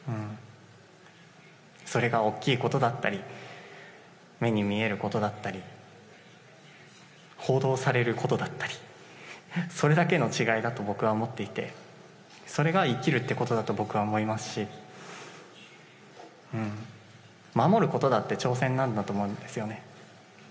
それが大きいことだったり、目に見えることだったり、報道されることだったり、それだけの違いだと、僕は思っていて、それが生きるということだと僕は思いますし、守ることだって挑戦なんだと思うんですよね。